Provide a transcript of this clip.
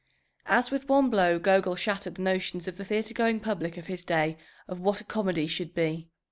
As with one blow, Gogol shattered the notions of the theatre going public of his day of what a comedy should be.